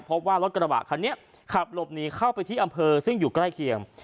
พบว่ารถกระบะคันนี้ขับหลบหนีเข้าไปที่อำเภอซึ่งอยู่ใกล้เคียง